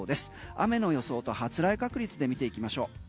雨の予想と発雷確率で見ていきましょう。